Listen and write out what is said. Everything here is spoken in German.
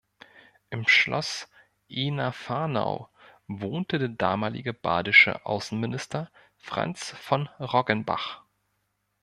Im Schloss Ehner-Fahrnau wohnte der damalige badische Außenminister Franz von Roggenbach.